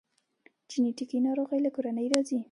جنیټیکي ناروغۍ له کورنۍ راځي